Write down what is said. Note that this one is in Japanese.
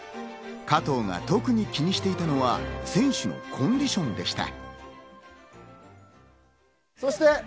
加藤が特に気にしていたのは、選手のコンディションでした。